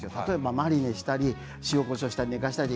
マリネしたり塩、こしょうしたり寝かせたり。